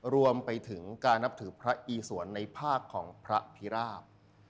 รวมไปถึงการนับถือพระอีสวนในภาคของพระพิราบ